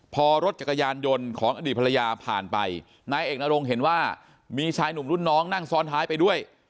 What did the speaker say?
พอรถจักรยานยนต์ของอดีตภรรยาผ่านไปนายเอกนรงเห็นว่ามีชายหนุ่มรุ่นน้องนั่งซ้อนท้ายไปด้วย